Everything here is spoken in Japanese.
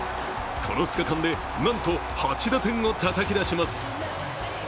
この２日間でなんと８打点をたたき出します。